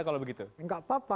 kalau begitu enggak apa apa